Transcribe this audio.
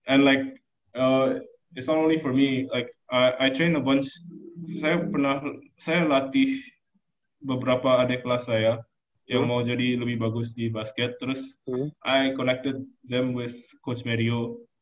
and like it s not only for me like i train a bunch saya pernah saya latih beberapa adik kelas saya yang mau jadi lebih bagus di basket terus i connected them with coach mary yu